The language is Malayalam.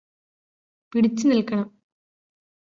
പിടിച്ച് നില്ക്കണം